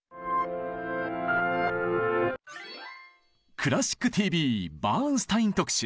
「クラシックＴＶ」バーンスタイン特集。